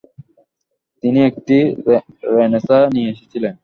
তিনি একটি রেনেসাঁ নিয়ে এসেছিলেন।